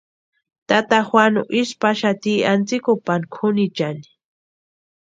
Tata Juanu isï paxati antsikupani kʼunichani.